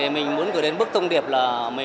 mình muốn gửi đến bức tông điệp là